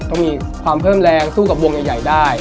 ต้องมีความเพิ่มแรงสู้กับวงใหญ่ได้